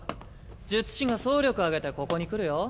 術師が総力挙げてここに来るよ。